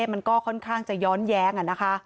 มันก็ค่อนข้างจะย้อนแย้งนะคะ